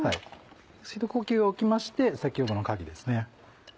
一呼吸おきまして先ほどのかきですね。